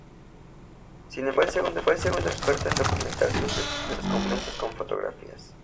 Sin embargo, fue el segundo experto en documentar sus descubrimientos con fotografías.